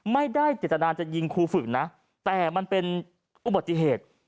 ไม่ได้เจตนาจะยิงครูฝึกนะแต่มันเป็นอุบัติเหตุ